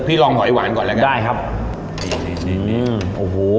พี่ลองหอยหวานก่อนแล้วกันได้ครับนี่นี่นี่นี่อ๋อหู